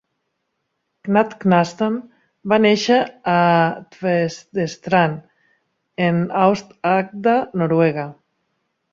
Knud Knudsen va néixer a Tvedestrand en Aust-Agder, Noruega.